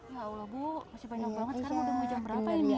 ya allah bu masih banyak banget sekarang udah mau jam berapa ini ya